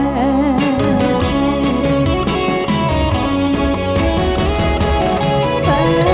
แฟนนั้นเกิด